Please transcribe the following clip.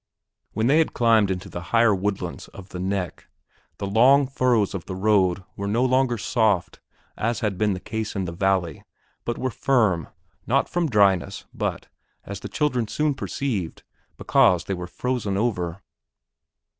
When they had climbed up into the higher woodlands of the "neck," the long furrows of the road were no longer soft, as had been the case in the valley, but were firm, not from dryness, but, as the children soon perceived, because they were frozen over.